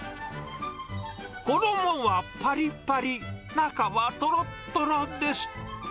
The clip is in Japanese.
衣はぱりぱり、中はとろっとろです。